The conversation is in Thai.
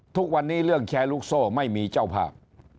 ทุกวันนี้เรื่องแชร์ลูกโซ่ไม่มีเจ้าภาพ